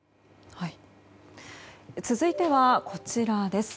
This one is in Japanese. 続いては、こちらです。